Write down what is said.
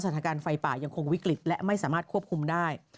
สถานการณ์ไฟป่ายังคงวิกฤตและไม่สามารถควบคุมได้